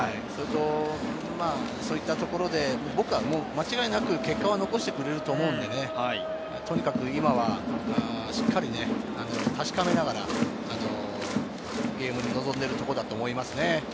そういったところで僕は間違いなく結果は残してくれると思うので、とにかく今はしっかり確かめながらゲームに臨んでいるところだと思いますね。